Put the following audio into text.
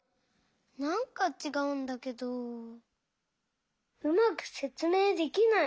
なんかちがうんだけどうまくせつめいできない。